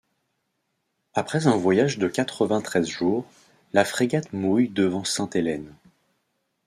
Après un voyage de quatre-vingt-treize jours, la frégate mouille devant Sainte-Hélène.